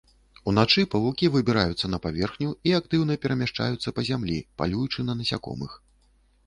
Уначы павукі выбіраюцца на паверхню і актыўна перамяшчаюцца па зямлі, палюючы на насякомых.